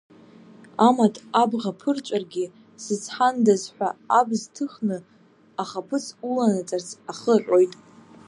Амаҭ абӷа ԥырҵәаргьы, сыцҳандаз ҳәа абз ҭыхны ахаԥыц уланаҵарц ахы аҟьоит.